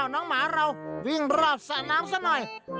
น้องหมาเราวิ่งรอบสระน้ำซะหน่อย